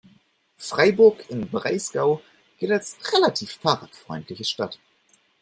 Freiburg im Breisgau gilt als relativ fahrradfreundliche Stadt.